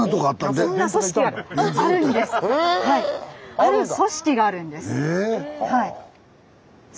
ある組織があるんです。